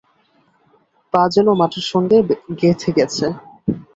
পা যেন মাটির সঙ্গে গেঁথে গেছে।